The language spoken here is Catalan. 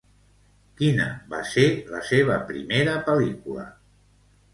Quina va ser la seva primera pel·lícula?